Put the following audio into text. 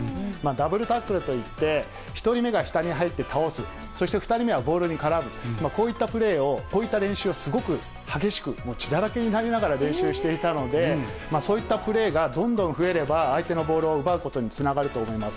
ダブルタックルといって、１人目が下に入って倒す、そして２人目はボールに絡む、こういったプレーを、こういった練習をすごく激しく、血だらけになりながら練習していたので、そういったプレーがどんどん増えれば、相手のボールを奪うことにもつながると思います。